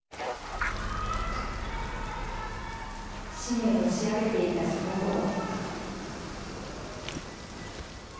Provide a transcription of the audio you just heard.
紙面を仕上げていたそのころ。